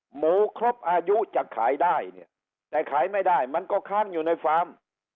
หมูครบอายุจะขายได้เนี่ยแต่ขายไม่ได้มันก็ค้างอยู่ในฟาร์ม